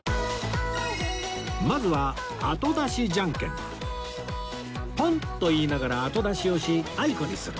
まずはポン！と言いながら後出しをしあいこにする